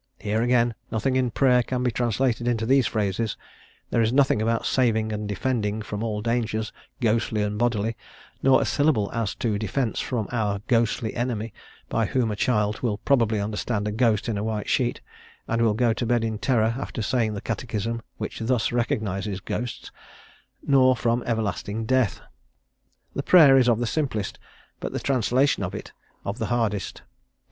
Here, again, nothing in the prayer can be translated into these phrases; there is nothing about saving and defending from all dangers, ghostly and bodily, nor a syllable as to defence from our ghostly enemy, by whom a child will probably understand a ghost in a white sheet, and will go to bed in terror after saying the Catechism which thus recognises ghosts nor from everlasting death. The prayer is of the simplest, but the translation of it of the hardest.